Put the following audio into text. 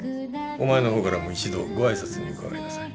お前の方からも一度ご挨拶に伺いなさい。